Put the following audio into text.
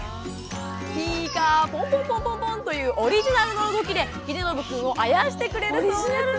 「ピーカーポンポンポンポン」というオリジナルの動きでひでのぶくんをあやしてくれるそうです。